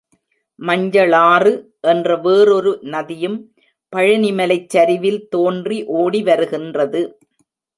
மஞ்சளாறு என்ற வேறொரு நதியும் பழனிமலைச் சரிவில் தோன்றி ஓடி வருகின்றது.